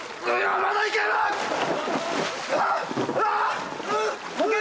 まだいける！